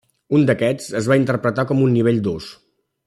Un d'aquests es va interpretar com un nivell d’ús.